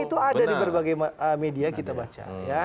itu ada di berbagai media kita baca